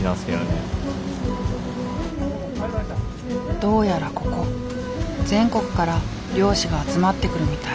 どうやらここ全国から漁師が集まってくるみたい。